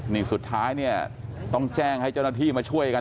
นี่สุดท้ายเนี่ยต้องแจ้งให้เจ้าหน้าที่มาช่วยกัน